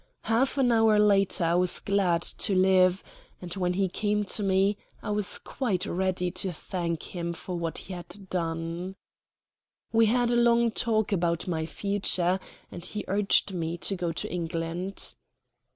Half an hour later I was glad to live; and when he came to me I was quite ready to thank him for what he had done. We had a long talk about my future, and he urged me to go to England.